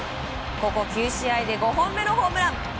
ここ９試合で５本目のホームラン。